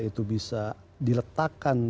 itu bisa diletakkan